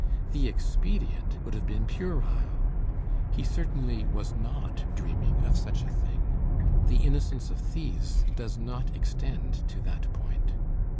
The expedient would have been puerile. He certainly was not dreaming of such a thing. The innocence of thieves does not extend to that point.